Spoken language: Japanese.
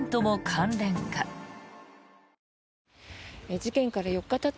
事件から４日たった